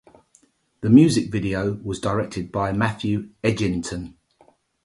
The music video was directed by Matthew Edginton.